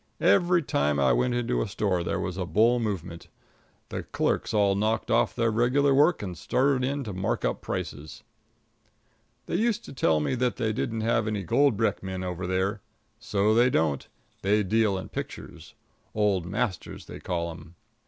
Every time I went into a store there was a bull movement. The clerks all knocked off their regular work and started in to mark up prices. They used to tell me that they didn't have any gold brick men over there. So they don't. They deal in pictures old masters, they call them.